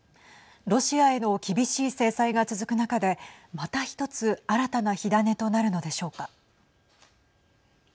ロシアへの厳しい制裁が続く中でまた一つ新たな火種となるのでしょうか。